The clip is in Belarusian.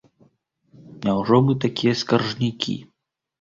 Няўжо мы такія скаржнікі?